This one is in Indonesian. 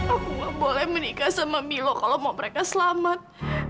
aku boleh menikah sama milo kalau mau mereka selamat